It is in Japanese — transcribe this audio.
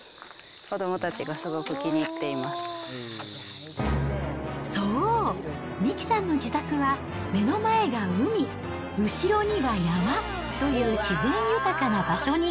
子どもたちがすごく気に入っていそう、三木さんの自宅は目の前が海、後ろには山という自然豊かな場所に。